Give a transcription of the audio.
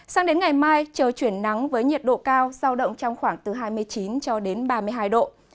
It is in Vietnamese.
sang đến ngày mai trời chuyển nắng với nhiệt độ cao giao động trong khoảng từ hai mươi chín cho đến ba mươi hai độ